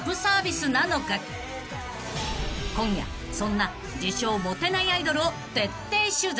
［今夜そんな自称モテないアイドルを徹底取材］